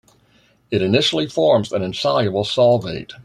It initially forms an insoluble solvate.